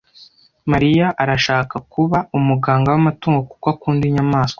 Mariya arashaka kuba umuganga w'amatungo kuko akunda inyamaswa.